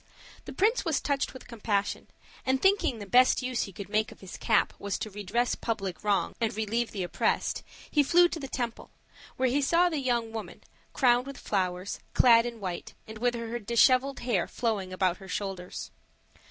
The prince was touched with compassion; and thinking the best use he could make of his cap was to redress public wrongs and relieve the oppressed, he flew to the temple, where he saw the young woman, crowned with flowers, clad in white, and with her disheveled hair flowing about her shoulders.